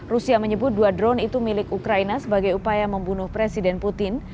rusia menyebut dua drone itu milik ukraina sebagai upaya membunuh presiden putin